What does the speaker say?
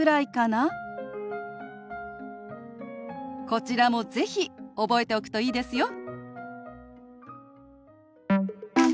こちらも是非覚えておくといいですよ。